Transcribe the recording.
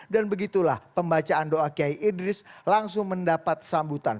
dan begitulah pembacaan doa kiai idris langsung mendapat sambutan